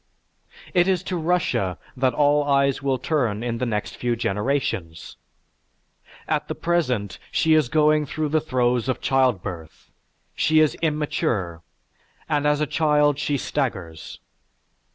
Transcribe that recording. It is to Russia that all eyes will turn in the next few generations. At the present, she is going through the throes of childbirth. She is immature, and as a child she staggers.